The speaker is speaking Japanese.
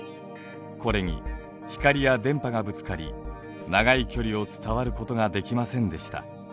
これに光や電波がぶつかり長い距離を伝わることができませんでした。